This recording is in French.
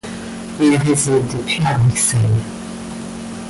Ils résident depuis à Bruxelles.